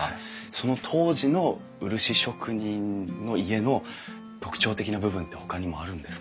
その当時の漆職人の家の特徴的な部分ってほかにもあるんですか？